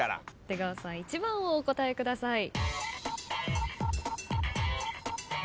出川さん１番をお答えください。